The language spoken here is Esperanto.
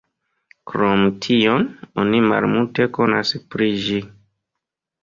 Krom tion, oni malmulte konas pri ĝi.